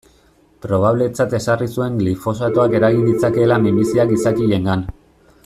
Probabletzat ezarri zuen glifosatoak eragin ditzakeela minbiziak gizakiengan.